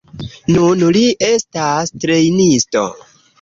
Nun li estas trejnisto.